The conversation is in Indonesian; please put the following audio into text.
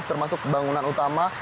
termasuk bangunan utama